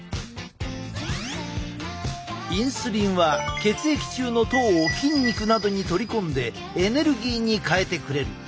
インスリンは血液中の糖を筋肉などに取り込んでエネルギーに変えてくれる。